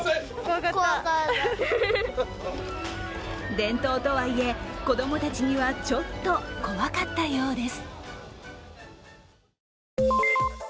伝統とはいえ、子供たちにはちょっと怖かったようです。